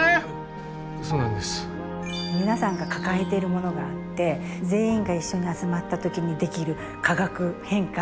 皆さんが抱えているものがあって全員が一緒に集まった時にできる化学変化